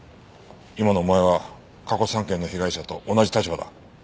今のお前は過去３件の被害者と同じ立場だ。